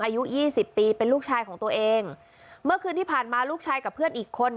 อายุยี่สิบปีเป็นลูกชายของตัวเองเมื่อคืนที่ผ่านมาลูกชายกับเพื่อนอีกคน